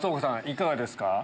いかがですか？